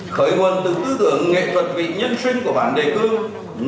khởi nguồn từ tư tưởng nghệ thuật vị nhân sinh của bản đề cương